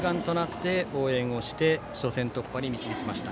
アルプスも一丸となって応援をして初戦突破に導きました。